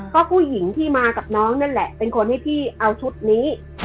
ก็ผู้หญิงที่มากับน้องนั่นแหละเป็นคนให้พี่เอาชุดนี้